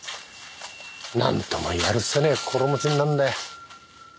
なんともやるせねぇ心持ちになんだよ